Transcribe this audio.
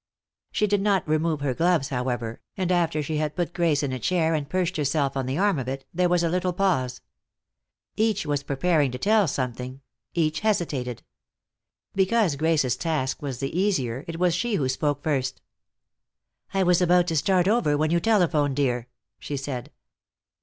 She did not remove her gloves, however, and after she had put Grace in a chair and perched herself on the arm of it, there was a little pause. Each was preparing to tell something, each hesitated. Because Grace's task was the easier it was she who spoke first. "I was about to start over when you telephoned, dear," she said.